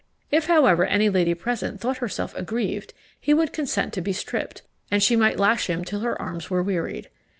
If, however, any lady present thought herself aggrieved, he would consent to be stripped, and she might lash him till her arms were wearied.